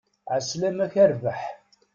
Ɛeslama-k, a rrbeḥ!